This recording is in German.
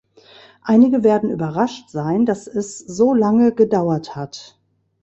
Einige werden überrascht sein, dass es so lange gedauert hat!